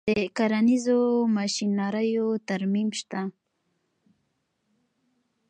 د کرنیزو ماشینریو ترمیم شته